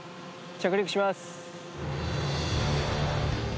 着陸します。